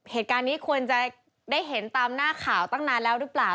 เหตุการณ์นี้ควรจะได้เห็นตามหน้าข่าวตั้งนานแล้วหรือเปล่า